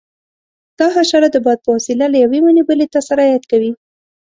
دا حشره د باد په وسیله له یوې ونې بلې ته سرایت کوي.